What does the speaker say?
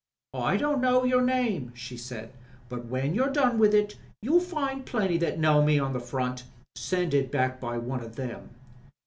'I don't know your name,' she said, 'but when you've done with it, you'll find plenty that know me on the front. Send it back by one o' them.'